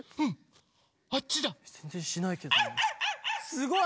すごい。